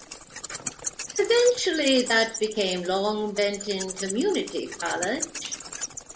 Eventually that became Longbenton Community College.